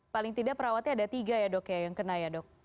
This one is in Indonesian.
paling tidak perawatnya ada tiga ya dok ya yang kena ya dok